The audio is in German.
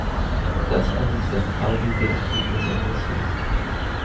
Das also ist das traurige Ergebnis in Russland.